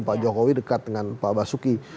pak jokowi dekat dengan pak basuki